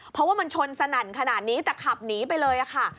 เพราะว่ามันชนสนั่นขนาดนี้แต่ขับหนีไปเลยค่ะ